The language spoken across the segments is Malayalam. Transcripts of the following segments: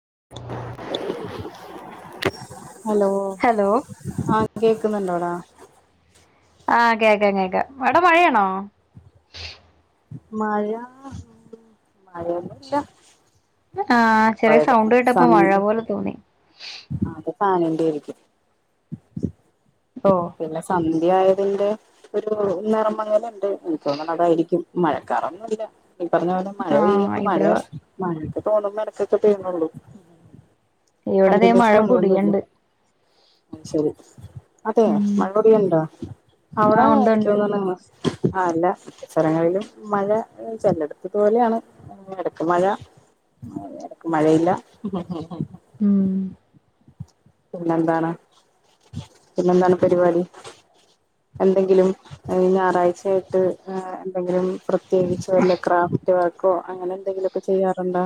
[inaudible] [inaudible] ഹലോ ഹലോ ആ കേൾക്കുന്നുണ്ടോടാ [inaudible] ആ കേക്കാം കേക്കാം എവിടെ മഴയാണോ മഴ മഴന്നുല്ല ആചെറിയ സൗണ്ട് കേട്ടപ്പോ മഴ പോലെ തോന്നി ആ സാനണ്ട [unintelligible] ആയിരിക്കും ഓ പിന്നെ സം മഴയായതിന്റെ ഒരു നിറമങ്ങ് ഇണ്ട് എനിക്ക് തോന്നേതായിരിക്കും മഴക്കാറൊന്നുല്ല ഈ പറഞ്ഞ പോലെ മഴ ആ പെയ്യുമ്പോൾ മഴ ഇവിടെ മഴെ തോണുംമ്പോ ഇടക്കൊക്കെ പെയ്യ്ണേള്ളൂ ഇവിടതെ മഴ പൊടിയ്ണ്ട് മം ശരി അതെ ഉം മഴപെയ്യിണ്ടോ ആ അവിടെ ഉണ്ട് എനിക്ക് ഉണ്ട് തോന്ന് ആല്ല പല സ്ഥലങ്ങളിലും മഴ ചെല്ലടത്ത് പോലെയാണ് ഇടക്ക് മഴ ഇടക്ക് മഴയില്ല മം പിന്നെന്താണ് പിന്നെന്താണ് പരിപാടി എന്തെങ്കിലും ഞായറാഴ്ചയായിട്ട് എന്തെങ്കിലും പ്രത്യേകിച്ച് വല്ലാ ക്രാഫ്റ്റ് വർക്ക് ക്കേ അങ്ങനെ എന്തെങ്കിലുമൊക്കെ ചെയ്യാറുണ്ടോ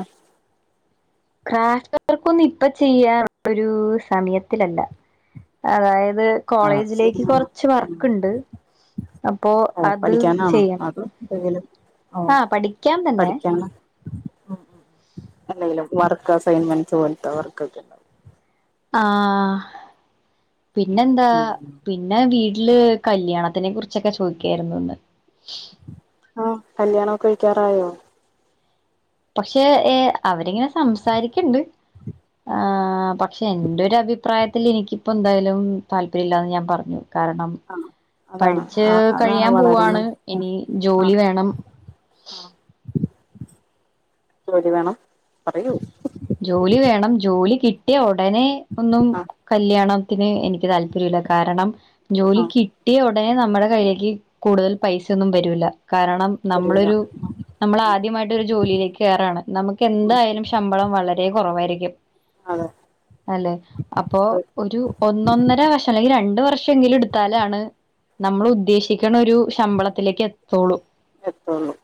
ക്രാഫ്റ്റ് വർക്കൊന്നും ഇപ്പൊ ചെയ്യൻ ഒരു സമയത്തിലല്ല അതായത് അത് ആ അത് കോളേജിലേക്ക് ശരിയാണ് കൊറച്ച് ഉം വർക്ക്ണ്ട് അപ്പോ ഓ അത് പഠിക്കാനാണോ ചെയ്യണം അതോ എന്തെങ്കിലും ആ പഠിക്കാൻ തന്നെ അല്ലേലും വർക്ക് അസൈൻമെന്റ്സ് പോലത്തെ വർക്ക് ഒക്കെണ്ടാവും ആ പിന്നെന്താ ഉം പിന്നെ വീട് വീട്ടില് കല്യാണത്തിനെ കുറിച്ചൊക്കെ ചോദിക്കായിരുന്നുന്ന് ആ കല്യാണം ഒക്കെ കഴിക്കാറായോ പക്ഷെ അവരിങ്ങനെ സംസാരിക്കണ്ട് ആ പക്ഷെ എന്റെ അഭിപ്രായത്തിൽ എനിക്കിപ്പോ എന്തായാലും താല്പര്യം ഇല്ലാന്ന് ഞാൻ പറഞ്ഞു കാരണം ആ അതാണ് പഠിച്ച് ആ അതാണ് വളരെ കഴിയാൻപോവാണ് നല്ലത് ഇനി ആ ആ ജോലിവേണം ജോലിവേണം പറയൂ ജോലി വേണം ജോലികിട്ടിയ ഒ ഉടനെ ഒന്നും ആ കല്യാണം ത്തിന് എനിക്ക്താല്പര്യില്ല. കാരണം ആ ജോലികിട്ടിയഒ ഉടനെ നമ്മടെകയ്യിക്ക് കൂടുതൽ പൈസ്യൊന്നും വരൂല്ല. കാരണം വരൂല നമ്മളൊരു നമ്മളാദ്യമായിട്ടൊരു ജോലിയിലേക്ക്കേറാണ് നമുക്കെന്തായാലും ശമ്പളം വളരെകുറവായിരിക്കും. അതെ അല്ലെ അപ്പൊ അത് ഒരു ഒന്നൊന്നരവർഷം അല്ലെങ്കി രണ്ടുവർ ക്ഷെങ്കിലുംഎടുത്താലാണ് നമ്മളുദ്ദേശി ക്കണൊരു ശമ്പളത്തിലേക്കെത്തോള്ളൂ. എത്തുള്ളൂ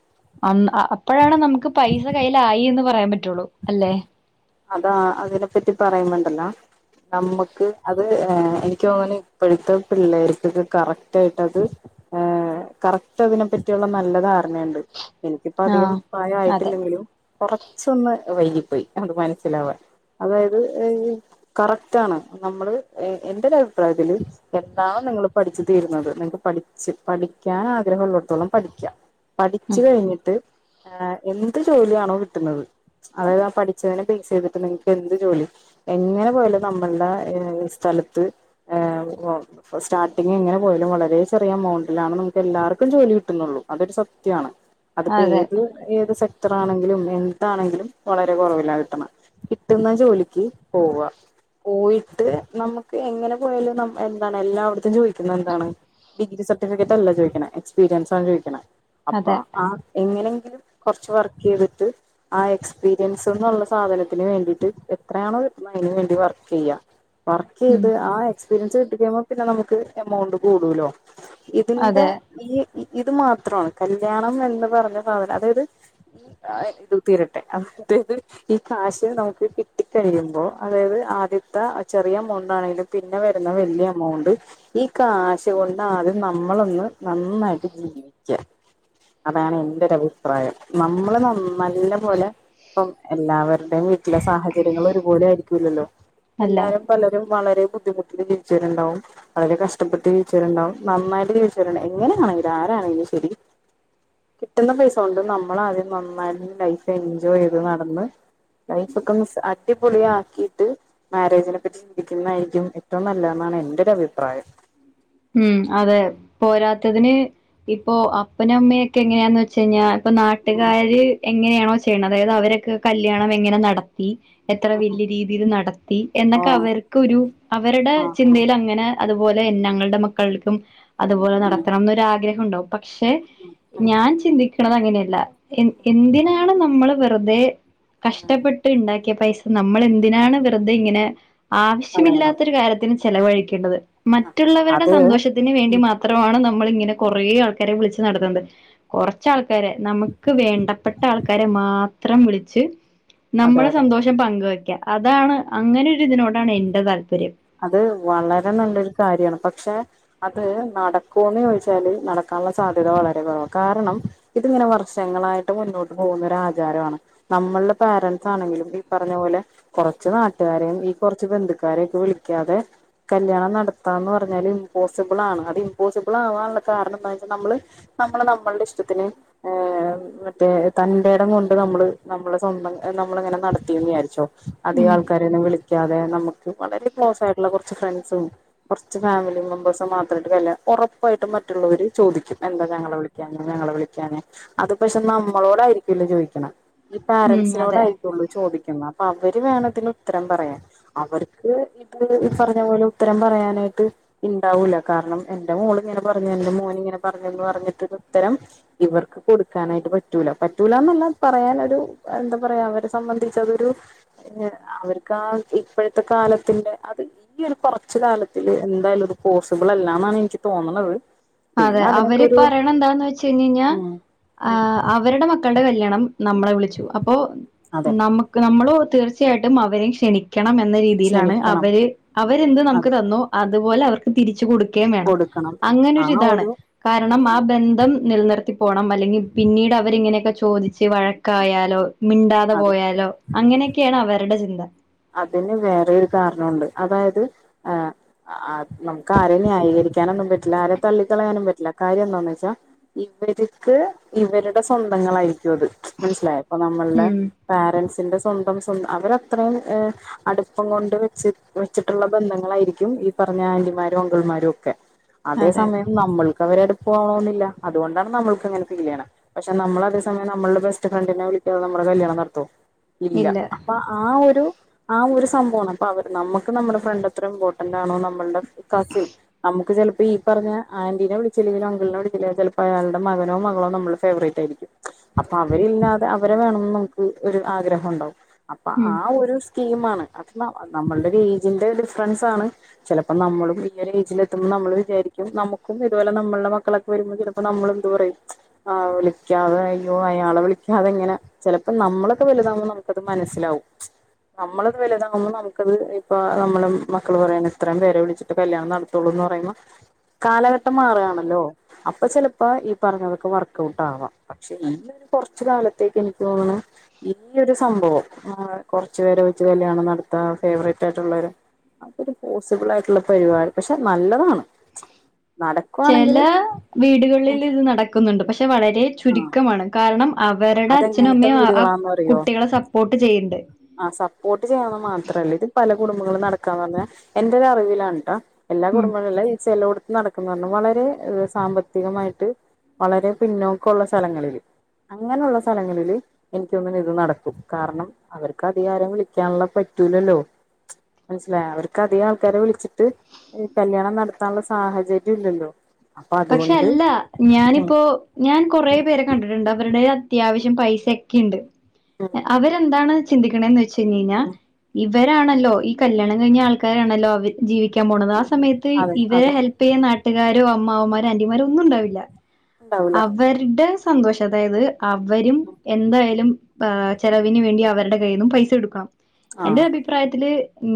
അന്ന അപ്പഴാണ് നമുക്ക് പൈസകയ്യിലായിന്ന് പറയാപറ്റു പറ്റുള്ളൂ. അല്ലേ അതാ അതിനെപ്പറ്റി പറയ്മ്പണ്ടല്ലോ നമ്മക്ക് അത്-ഏ എനിക്ക്തോന്ന്ണ് ഇപ്പഴ്ത്തെ പിള്ളേർക്കൊക്കെ കറക്റ്റായിട്ടത് കറക്റ്റ് അതിനെപ്പറ്റിയുള്ള നല്ലധാരണ രെണ്ട് എനിക്കിപ്പധികം ആഹ് അതെ പ്രായായിട്ടില്ലെങ്കിലും കൊറച്ചൊന്ന് വൈകിപ്പോയി അത് മന മനസിലാവാൻ അതായത് കറക്റ്റാണ് നമ്മള് എന്റൊരഭിപ്രായത്തില് എന്താണോ നിങ്ങള് പഠിച്ചുതീരുന്നത് നിങ്ങക്ക്പഠിച്ച് പഠിക്കാൻ ആഗ്രഹമള്ളടത്തോളം പഠിക്ക. ഉം പഠിച്ച്കഴിഞ്ഞിട്ട് ആ എന്ത്ജോലിയാണോ കിട്ടുന്നത് അതായതാ പഠിച്ചതിന് പി എസ് സിയിൽ കിട്ടുന്ന നിങ്ങക്ക് എന്ത്ജോലിയും എങ്ങനെപോയാലും നമ്മളുടെ സ്ഥലത്ത് സ്റ്റാർട്ടിങ് എങ്ങനെപോയാലും വളരെ ചെറിയ എമൗണ്ടിലാണ് നമുക്കെല്ലാർക്കും ജോലികിട്ടുന്നുള്ളൂ. അതൊരു സത്യാണ്. അതിപ്പോ അതെ ഏത്-ഏത് എത്ര ആണെങ്കിലും എന്താണെങ്കിലും വളരെ കുറവിലാ കി കിട്ടുന്ന ജോലിക്ക് പോവാ പോയിട്ട് നമുക്ക് എങ്ങനെപോയാലും എന്താണ് എല്ലാവടത്തെ ജോലിക്കും എന്താണ് ഡിഗ്രി സർട്ടിഫിക്കറ്റല്ല ചോദിക്കണെ എക്സ്പീരിയൻസാ ചോദിക്കണെ. അപ്പൊ അതെ ആഹ് എങ്ങനെ കൊറച്ച് വർക്കെയ്തിട്ട് ആ എക്സ്പീരിയൻസ്ന്നുള്ള സാധനത്തിന് വേണ്ടീട്ട് എത്രയാണ്കിട്ട്ണത് അതിന് വേണ്ടി വർക്കെയ്യാ. ഉം വർക്കെയ്ത് ആ എക്സ് ഫിലിംസ്കിട്ടികഴിയുമ്പോപ്പിന്നെ നമുക്ക് എമൗണ്ട് കൂടൂല്ലോ. ഇതിന്റെ അതെ ഈ ഇത് മാത്രണ് കല്യാണം എന്ന്പറഞ്ഞസാനം അതായത് ഇത് തീരട്ടെ ഈ കാശ് നമുക്ക് കിട്ടിക്കഴിയുമ്പോ അതായത് ആദ്യത്തെ ചെറിയ എമൗണ്ടാണെലും പിന്നെവരുന്ന വലിയഎമൗണ്ട് ഈ കാശ്കൊണ്ടാദ്യം നമ്മളൊന്ന് നന്നായിട്ട് ജീവിക്ക. അതാണ് എന്റൊരഭിപ്രായം. നമ്മള് ന നല്ലപോലെ പ്പം എല്ലാവരുടെയും വീട്ടിലെ സാഹചര്യങ്ങള് ഒരുപോലെ ആയിരിക്കൂലല്ലോ അല്ല എല്ലാരും പലരും വളരെ ബുദ്ധിമുട്ട് ജീവിച്ചവരുണ്ടാവും വളരെ കഷ്ടപ്പെട്ട് ജീവിച്ചവരുണ്ടാവും നന്നായിട്ട് ജീവിച്ചവരുണ്ടാവും എങ്ങനെയാണെലും ആരാണെലും ശരി കിട്ടുന്ന പൈസ കൊണ്ട് നമ്മളാദ്യം നന്നായിട്ട് ലൈഫ് എൻജോയ് ചെയ്ത് നട അന്ന് ലൈഫൊക്കൊ ന്ന് സ് അടി പൊളിയാക്കിയിട്ട് മാരേജിനെ പറ്റി ചിന്തിക്കുന്നതായിരിക്കും ഏറ്റവും നല്ലത് എന്നാണ് എന്റെ ഒരു അഭിപ്രായം ഉം അതെ പോരാത്തതിന് ഇപ്പൊ അപ്പനും അമ്മയൊക്കെ എങ്ങനെയാന്ന് വെച്ച് കഴിഞ്ഞാ ഇപ്പൊ ഉം നാട്ടുകാര് എങ്ങനെയാണോ ചെയ്യണത് അതായത് അവരൊക്കെ കല്യാണം എങ്ങനെ നടത്തി എത്ര ഉം വല്യ രീതിയിൽ നടത്തി ഓ എന്നൊക്കെ അവർക്ക് ഒരു അവരുടെ ആ ആ ചിന്തയിലങ്ങനെ അതുപോലെ ഞങ്ങൾ ടെ മക്കൾക്കും അതുപോലെ ഉം നടത്തണം ന്നൊരാഗ്രഹം ണ്ടാവും പക്ഷെ ഉം ഞാൻ ചിന്തിക്കണ ണതങ്ങനെയല്ല എ എന്തിനാണ് നമ്മള് വെറുതെ കഷ്ടപ്പെട്ട്ണ്ടാക്കി പൈസ നമ്മൾ എന്തിനാണ് വെറുതെ ഇങ്ങനെ കളയണം ആവശ്യമില്ലാത്തൊരു കാര്യത്തിന് ചെലവഴിക്കേണ്ടത് മറ്റുള്ളവരു അത് സന്തോഷത്തിന് വേണ്ടി മാത്രമാണ് നമ്മള്ങ്ങനെ കൊറേ ആൾക്കാരെ വിളിച്ചു നടുത്തുന്നത് കൊ ച്ച്ആൾക്ക രെ നമുക്ക് വേണ്ടപ്പെട്ട ആൾക്കാരെ മാത്ര മാത്രം വിളിച്ച് അതെ നമ്മുടെ അതെ സന്തോഷം പങ്ക് ക്ക. അതാണ് അങ്ങനൊ ഒരു ഇതിനോടാണ് എന്റെതാൽപര്യം അത് വളരെ നല്ലൊരു കാര്യാണ് പക്ഷെ അത് നടക്കുമോന്ന് ചോദിച്ചാല് നടക്കാനുള്ള സാധ്യത വളരെ കുറവാ. കാരണം ഇതിങ്ങനെ വർഷങ്ങളായിട്ട് മുന്നോട്ട് പോകുന്നൊരാചാരാണ് നമ്മൾടെ പേരൻസ് ആണെങ്കിലും ഈ പറഞ്ഞ പോലെ കുറച്ച് നാട്ടുകാരെയും ഈ കൊർച്ച് ബന്ധുക്കാരെയൊ ക്കെ വിളി ക്കാതെ കല്യാണം നടത്താന്ന് പറഞ്ഞാല് ഇമ്പോസിബിൾ ആണ് അത് ഇമ്പോസിബിളാവാനുള്ള കാരണം എന്താന്ന് വെച്ചാൽ നമ്മള് നമ്മള് നമ്മളുടെ ഇഷ്ടത്തിന് മറ്റേ തന്റെടം കൊണ്ട് നമ്മള് നമ്മ സ്വന്തം നമ്മളങ്ങനെ നടത്തിന്ന് വിചാരിച്ചോ അധികം ഉം ആൾക്കാരെയൊന്നും വിളിക്ക ളിക്കാതെ നമുക്ക് വളരെ ക്ലോസ് ആയിട്ടുള്ള കൊർച്ച് ഫ്രണ്ട്സുംകൊർച്ച് ഫാമിലി മെമ്പേഴ്സും മാത്രായ്ട്ട് വല്ല ഉറപ്പായിട്ടും മറ്റുള്ളവര് ചോദിക്കും. എന്താ ഞങ്ങളെ വിളിക്കാഞ്ഞെ ഞങ്ങളെ വിളിക്കാഞ്ഞെ അത് പക്ഷെ നമ്മളോടായിരിക്കൂല ചോയ്ക്കുന്നെ ഈ ഉം പാരൻസിനോടാ അതെ ആയിരിക്കോള്ളൂ ചോദിക്ക അപ്പൊ അവര് വേണതിന് ഉത്തരം പറയാൻ. അവർക്ക് പറഞ്ഞ പോലെ ഉത്തരം പറയാനായിട്ട് ഇണ്ടാവൂല്ല. കാരണം എൻറെ മോള് ഇങ്ങനെ പറഞ്ഞു എന്റെ മോന് ഇങ്ങനെ പറഞ്ഞുന്ന് പറഞ്ഞിട്ട് ഉത്തരം ഇവർക്ക് കൊടുക്കാനായിട്ട് പറ്റൂല. പറ്റൂലാ ന്നല്ല പറയാനൊരു എന്താ പറയാ അവരെ സംബന്ധിച്ച അതൊരു അവർക്ക് ആ ഇപ്പോഴത്തെ കാലത്തിന്റെ അത് ഈ ഒരു കൊറച് കാലത്തില് എന്തായാലുംത് പോസിബിൾ അല്ലന്നാണെനിക്ക് തോന്നണത്. അതെ പിന്നെ അതിനൊക്കെ അവര് ഒരു പറയണ എന്താന്ന് വെച്ച് ഴിഞ്ഞാ ഉം ആ ഉം അവരുടെ മക്കളുടെ കല്യാണം നമ്മളെ വിളിച്ചു അപ്പോ അതെ നമക്ക് നമ്മളോ തീർച്ചയായിട്ടും ട്ടും അവരെയും ക്ഷണിക്കും ണം എന്ന രീതിയിലാണ് ക്ഷമിക്കണം അവര് അവരെന്ത് നമുക്ക് അതെ തന്നോ അതുപോലെ അവർക്ക് തിരിച്ച കൊടു ക്കേം വേണം കൊടുക്കണം അങ്ങനെ ആ താണ് ഒരു കാരണം അത് ആ ബന്ധം നിലനിർത്തി പോണം അല്ലെങ്കിൽ പിന്നീട് അവരിങ്ങനെയൊക്കെ ചോദിച്ച് വഴക്കായാലോ മിണ്ടാതെ അതെ പോയാലോ അങ്ങനെയൊക്കെയാണ് അവര്ടെ ചിന്ത അതിന് വേറെരു കാരണുണ്ട് അതായത് ആ നമക്ക് ആരെ ന്യായീകരിക്കാനൊന്നും പറ്റില്ല ആരെ തള്ളിക്കളയാനും പറ്റില്ല കാര്യം എന്താന്ന് വെച്ചാൽ ഇവർക്ക് ഇവരുടെ സ്വന്തങ്ങളായി ത് മനസ്സിലായ ഇപ്പൊ നമ്മളുടെ ഉം പാരൻറ്സ് ത്തിന്റെ സ്വന്തം സൊ അവരത്രയും ഹ് അടുപ്പം കൊണ്ട് വെച്ച വെച്ചിട്ടുള്ള ബന്ധങ്ങളായിരിക്കും ഈ പറഞ്ഞ ആന്റിമാരും അംഗിൾമാരും ഒക്കെ അതേ അതെ സമയം നമ്മൾ അവരെ അടുപ്പ ആവണമെന്നില്ല അതുകൊണ്ടാണ് നമ്മൾക്ക്ങ്ങനെ കല്യാണം പക്ഷെ നമ്മള അതേ സമയം നമ്മുടെ ബെസ് ഫ്രണ്ടിനെ വിളിക്കാതെ നമ്മുടെ കല്യാണം നടത്തോ ഇല്ല അപ്പൊ ആ ഒരു ആ ഒരു സംഭവണ് അപ്പൊ അവര് നമ്മുക്ക് നമ്മുടെ ഫ്രണ്ട് എത്ര ഇമ്പോർട്ടന്റ് ആണോ നമ്മൾടെ കസിൽ നമക്ക് ചില അപ്പൊ ഈ പറഞ്ഞ ആന്റീനെ വിളിച്ചില്ലെങ്കിലും അങ്കിളിനെ വിളിച്ചില്ലെങ്കിൽ ചിലപ്പോ അയാളുടെ മകനോ മകളോ നമ്മള് ഫേവറേറ്റ് ആയിരിക്കും അപ്പൊ അവരില്ലാതെ അവരെ വേണംന്ന് നമുക്ക് ഒരു ആഗ്രഹം ഉണ്ടാവും അപ്പൊ ഉം ആ ഒരു സീമാണ് അത് നമ്മളുടെ ഒരു ഏജിന്റെ ഡിഫറൻസ് ആണ് ചിലപ്പോ നമ്മളും ഈ ഒരു ഏജിൽ എത്തുമ്പൾ നമ്മൾ വിചാരിക്കും നമുക്കും ഇതുപോലെ നമ്മളുടെ മക്കളൊക്കെ വരുമ്പോൾ ചിലപ്പോ നമ്മൾ എന്ത് പറയും വിളിക്കാതെ അയ്യോ അയാളെ വിളിക്കാതെ എങ്ങനെ ചിലപ്പോ നമ്മളൊക്കെ വലുതാവകുമ്പോ നമുക്കത് മനസ്സിലാവും നമ്മളത് വലുതാങ്ങുമ്പോൾ നമുക്കത് ഇപ്പ നമ്മള് മക്കള് പറയണ ഇത്രയും പേരെ വിളിച്ചിട്ട് കല്യാണം നടത്തുള്ളൂ എന്ന് പറയുമ്പോ കാലഘട്ടം മാറുകയാണല്ലോ അപ്പൊ ചെപ്പോ ഈ പറഞ്ഞതൊക്കെ വർക്ക്ഔട്ട് ആവാം പക്ഷെ ഇഈ ഒരു കൊറച്ച കാലത്തേക്ക് എനിക്ക് തോന്നുന്നു ഇയ്യൊരു സംഭവം ആ കോ ച്കുറച്ച് പേരെ വെച്ച് കല്യാണം നടത്ത ഫേവററ്റ് ആയിട്ടുള്ളവരു അതൊരു പോസിബിൾ ആയിട്ടുള്ള പരിപാടി പക്ഷെത് നല്ലതാണ് ചില നടക്കുവാണെങ്കില് വീടുകളിൽ ഇത് നടക്കുന്നുണ്ട് പക്ഷെ വളരെ ആ ചുരുക്കമാണ് കാരണം അവരുടെ അച്ഛനും അതെങ്ങനത്തെ അമ്മയും ആ ആ വീടുകളാന്ന് പറിയോ കുട്ടികളെ സപ്പോർട്ട് ചെയ്യ്ണ്ട് ആ സപ്പോർട്ട് ചെയ്യ മാത്രല്ല ഇ പല കുടുംബങ്ങൾ നടക്കാന്ന് പറഞ്ഞ എന്റെ അറിവിലാണ് കേട്ടോ എല്ലാ ഉം കുടുംബങ്ങളും ഈ ചെല കൊടുത്ത നടക്കുന്ന പറ വളരെ സാമ്പത്തികമായിട്ട് വളരെ പിന്നോക്കള്ള സ്ഥലങ്ങളിൽ അങ്ങനെയുള്ള സ്ഥലങ്ങളില് എനിക്കൊന്നും ഇത് നടക്കും കാരണം അവർക്ക് അധിക ആരും വിളിക്കാനുള്ള പറ്റൂില്ലല്ലോ മനസ്സിലായ അവർക്ക് അധികം ആൾക്കാരെ വിളിച്ചിട്ട് കല്യാണം നടത്താനുള്ള സാഹചര്യം ഇല്ലല്ലോ അപ്പൊ പക്ഷെ അതുകൊണ്ട് അല്ല ഉം ഞാനിപ്പോ ഞാൻ കൊറെ പേരെ കണ്ടിട്ടുണ്ട് അവരുടെ അത്യാവശ്യം പൈസ ഒക്കെയ ഉണ്ട് ഉം അവരെന്താണ് ചിന്തിക്കെണെന്ന് വെഞ്ച് നീന ഉം ഇ ഇവരാണല്ലോ ഈ കല്യാണം കഴിഞ്ഞ ആൾക്കാരാണല്ലോ അവർ ജീവിക്ക ൻ പോണത് ആ ഉം സമയത്ത് അതെ ഇവരെ അതെ ഹെൽപ് ചെയ്യാൻ ന നട്ട്കാരു അവ് അമ്മാവൻമാരും ആന്റിമാരും ഒന്നും ഉണ്ടാവില്ല. ഉണ്ടാവൂല അവരുടേ സ് സന്തോഷം അതായത് അവരും എന്തായാലും ആഹ് ചെലവിന് വേണ്ടി അവരുടെ കയ്യിൽ നിന്നും പൈസ എടുക്കണം എന്റെ ആഹ് അഭിപ്രായത്തില്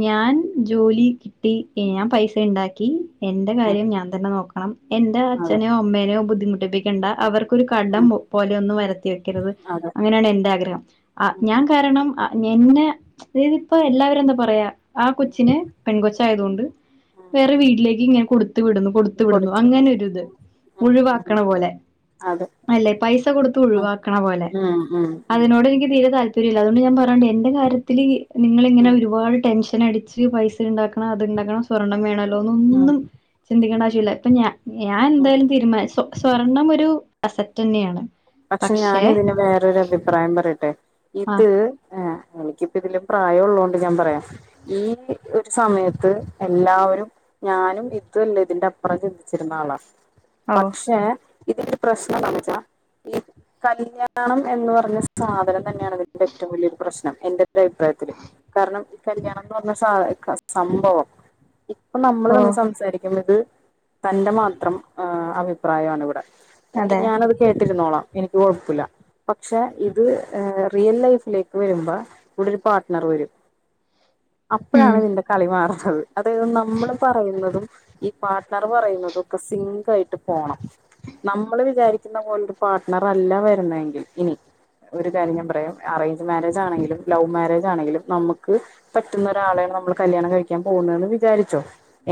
ഞാൻ ജോലി കിട്ടി എ ഞാൻ പൈസ ഇണ്ടാക്കി എന്റെ ഉം കാര്യം ഞാൻ തന്നെ നോക്ക [unintelligible] എന്റെ അതെ അച്ഛനെയോ അമ്മേനെയോ ബുദ്ധ് ബുദ്ധിമുട്ടിപ്പിക്കണ്ട അവർക്ക് ഒരു കടം ഉം പോലെ ഒന്നും വരത്തി വെക്കരുത് അതെ അങ്ങനെയാണ് എന്റെ ആഗ്രഹം ആ ഞാൻ കാരണം അ എന്നെ അതായത് ഇപ്പോ എല്ലാവരും എന്താ പറയാ ആ കൊച്ചിനെ പെൺ കൊച്ചി ആയതുകൊണ്ട് വേറെ വീട്ടിലേക്ക് ഇങ്ങനെ കോട് ത്തുവിടുന്നു കൊടുത്തു വിടുന്നു ന് ഒരിത് ഉം ഉം ഉം ഉം ഒഴിവാക്കണ ഉം പോലെ അതെ അല്ലെ പൈസ കൊടുത്ത് ഉം ഒഴിവാക്കണ പോലെ ഉം ഉം ഉം അതിനോട് എനിക്ക് നി- തീരെ താൽപ്പര്യംയില്ല അതോണ്ട് ഞാൻ പറ - അതോണ്ട് എന്റെ കാര്യത്തില് നിങ്ങള് ഇങ്ങെനെ ഉം ഒരുപാട് ടെൻഷൻ- എന്നെ അടിച്ച് പൈസ ഉണ്ടാക്കണം അത് ഉണ്ടാക്കണം സ്വർണം വേണ വേറെ ഒന്നും ചിന്തിക്കേണ്ട ആവശ്യമില്ല ഞാൻ ഉം എന്തായാലും തീരുമാന സ്വ സ്വർണ്ണം ഒരു- പ്പൂ അസറ്റ് തന്നെയാണ് പക്ഷെ ഞാന് ഇതിന് വേറൊരു അഭിപ്രായം പറയട്ടെ ആ ഇത് ഏ എനിക്കിപ്പം ഇതില് പ്രായംയുള്ളൊണ്ട് ഞാൻ പറയാം ഈ ഒരു സമയത്ത് എല്ലാവരും ഞാനും ഇതും അല്ലെ ഇതിന്റെ അപ്പുറം ചിന്തിച്ചിരുന്ന ആളാ ഓ പക്ഷേ ഇതൊരു പ്രശ്നം എന്താന്ന് വെച്ചാ ഈ കല്യാണം എന്ന് പറഞ്ഞ സാധനം തന്നെയാണ് അതിന്റെ ഏറ്റവും വലിയൊരു പ്രശ്നം എന്റെ - ന്റെ അഭിപ്രായത്തില് കാരണം കല്ല്യാണംന്ന് പറഞ്ഞ സാ സംഭവം അപ്പൊ നമ്മള് ഓ തമ്മില് സംസാരിക്കുന്നത് തന്റെ മാത്രം ആ അഭിപ്രായാണ് ഇവിടെ അതെ ഞാനത് കേട്ട് ട്ടിരുന്നോളാം എനിക്ക് കൊഴപ്പില്ല പക്ഷേ ഇത് റിയൽ ലൈഫിലേക്ക് വരുമ്പോ ഇവിടെ ഒരു പാർട്ട്നർ വരും ഉം അപ്പഴാണ്തിന്റെ കളിമാറാ അത്‌ അത് നമ്മള് പറയുന്നതും ഈ പാർട്ട്ണർ പറയുന്നതും ഒക്കെ സിങ്കായിട്ട് പോണം നമ്മള് വിചാരിക്കുന്ന പോലൊ പാർട്ട്ണർ അല്ല വരുന്നതെങ്കിൽ ഇനി ഒരു കാര്യം ഞാൻ പറയാം അറേഞ്ച് മാരേജ് ആണെങ്കിലും ലവ് മാരേജ് ആണെങ്കിലും നമുക്ക് പറ്റുന്ന ഒരാളെയാണ് നമ്മൾ കല്ല്യാണം കഴിക്കാൻ പോകുന്നന്ന് വിചാരിച്ചോ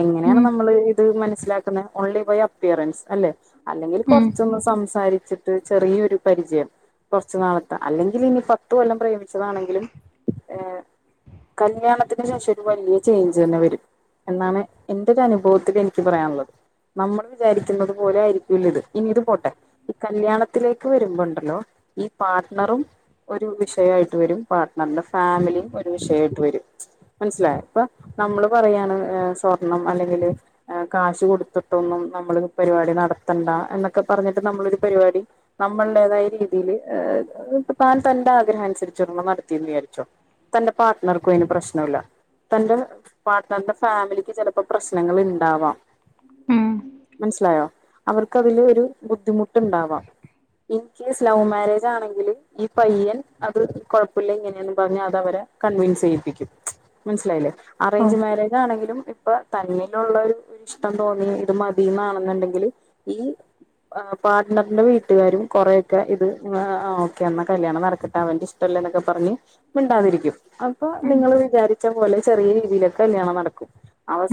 എങ്ങനെയാണ് ഉം നമ്മള് ഇത് മന മനസ്സിലാക്കുന്നേ ഓൺലി ബൈ അപ്പിയറൻസ് അല്ലേ അല്ലെങ്കിൽ ഉം കൊറച്ചൊന്ന് സംസാരി ത് ചെറിയൊരു പരിചയം കുറച്ചുനാളത്തെ അല്ലെങ്കില് ഇനി പത്ത് കൊല്ലം പ്രേമിച്ചതാണെങ്കിലും ഏ കല്ല്യാണത്തിന് ശേഷം ഒരു വല്ല്യ ചേഞ്ച് തന്നെ വരും എന്നാണ് എന്റെ ഒരു അനുഭവത്തില് എനിക്ക് പറയാനുള്ളത് നമ്മള് വിചാരിക്കുന്നത് പോലെ ആയിരിക്കില്ല ഇത് ഇനി ഇത് പോട്ടെ കല്യാണത്തിലേക്ക് വരുമ്പോണ്ടല്ലോ ഈ പാർട്ട്ണറും ഒരു വിഷയമായിട്ട് വരും പാർട്ട്ണറിന്റെ ഫാമിലിയും ഒരു വിഷയമായിട്ട് വരും മനസ്സിലായ ഇപ്പ നമ്മള് പറയാണ് സ്വർണം അല്ലെങ്കിൽ കാശ് കൊടുത്തിട്ടൊന്നും നമ്മള് പരിപാടി നടത്തണ്ട എന്നൊക്കെ പറഞ്ഞിട്ട് നമ്മളരു പരിപാടി നമ്മളടേതായ രീതിൽ താൻ തന്റെ ആഗ്രഹം അനുസരിച്ചേരെണ്ണം നടത്തിന്ന് വിചാരിച്ചോ തന്റെ പാർട്ണർക്കും അതിന് പ്രശ്നംമല്ല തന്റെ പാർട്ണറിന്റെ ഫാമിലിക്ക് ചിലപ്പോ പ്രശ്നങ്ങൾ ഉണ്ടാവാം ഉം മനസ്സിലായോ അവർക്ക് അതില് ഒരു ബുദ്ധിമു ഇൻണ്ടാവാ ഇ കേസ് ലവ് മാരേജ് ആണെങ്കിൽ ഈ പയ്യൻ അത് കുഴപ്പില്ല ഇങ്ങനെയന്ന് പറഞ്ഞഞ് അത് അവരെ കൺവിൻസ് ചെയ്യിപ്പിക്കും മനസ്സിലായില്ലേ ഓ അറേഞ്ച് മാരേജ് ആണെങ്കിലും ഇപ്പൊ തന്നിലുള്ള ഇഷ്ടം തോന്നി ഇത് മതിന്നാണെന്നുണ്ടെങ്കില് ഈ ആ പാർട്ട്ണറിന്റെ വീട്ടുകാരും കുറെേൊക്കെ ഇത് ഓക്കെ എന്ന കല്യാണം നടക്കട്ടാ അവന്റെ ഇഷ്ടമല്ലേ എന്നൊക്കെ പറഞ് മിണ്ടാതിരിക്കും അപ്പൊ ഉം നിങ്ങള് വിചാരി ച്ച പോലെ ചെറിയ രീതിയിലൊക്കെ കല്യാണം നടക്കും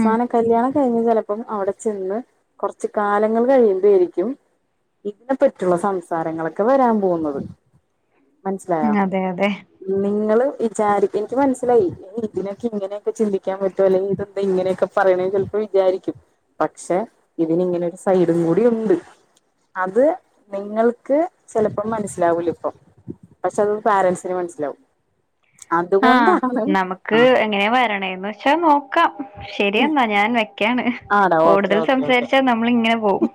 ഉം കല്യാണം കഴിഞ് ചിലപ്പോ പ്പം അവിടെ ചെന്ന് കുറച്ച് കാലങ്ങൾ കഴിയുമ്പോ ആരിക്കും ഇതിനെ പറ്റുള്ള സംസാരങ്ങളൊക്കെ വരാൻ പോകുന്നത് മനസ്സിലായോ അതെ അതെ നിങ്ങള് വിചാരി എനിക്ക് മനസ്സിലായി ഇതിനൊക്കെ ഇങ്ങനെയൊക്കെ ചിന്തിക്കാൻ പറ്റോ അല്ലെങ്കിൽ ഇതെന്താ ഇങ്ങനെയൊക്കെ പറയണ ചിലപ്പോ വിചാരിക്കും പക്ഷെ ഇതി ഇങ്ങനെ ഒരു സൈഡും കൂടി ഉണ്ട് അത് നിങ്ങൾക്ക് ചിലപ്പോം മനസ്സിലാവൂല ഇപ്പൊ പക്ഷെ അത് പോരൻറ്സിന് മനസ്സിലാവും ആ അതുകൊണ്ടാണ് നമുക്ക് ആ എങ്ങനെയാ വരണേന്ന് വെച്ചാ നോക്കാം ശരിയെന്നാ ഞാൻ വെക്കാണ് ആടാ ഓക്കെ കൂടുതൽ ഓക്കെ സംസാരിച്ചാൽ നമ്മൾ ഇങ്ങനെ പോവും.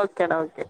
ഓക്കെ ഡാ ഓക്കെ.